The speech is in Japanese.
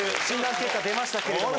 結果出ましたけれども。